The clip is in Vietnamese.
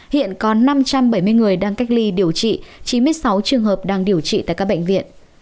hiện có năm trăm bảy mươi người đang cách ly điều trị chín mươi sáu trường hợp đang điều trị tại các bệnh viện